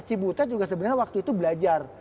si butet juga sebenernya waktu itu belajar